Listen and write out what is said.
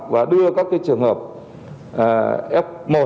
và đưa các cái trường hợp f một